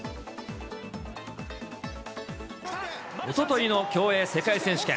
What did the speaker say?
おとといの競泳世界選手権。